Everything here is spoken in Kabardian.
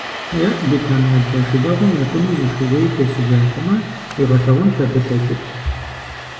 ЕӀ, бетэмал, а шы дэгъуэм екӀуну зы шууей тесыжатэмэ, уигъэлъагъунт абы лъэкӀыр!